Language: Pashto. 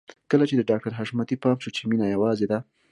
کله چې د ډاکټر حشمتي پام شو چې مينه يوازې ده.